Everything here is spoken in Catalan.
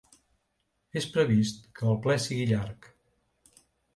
És previst que el ple sigui llarg.